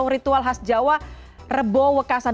ritual khas jawa rebowekasan